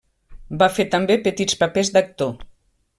Va fer també petits papers d'actor.